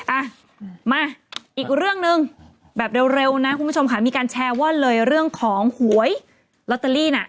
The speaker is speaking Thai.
อ่ะมาอีกเรื่องหนึ่งแบบเร็วนะคุณผู้ชมค่ะมีการแชร์ว่าเลยเรื่องของหวยลอตเตอรี่น่ะ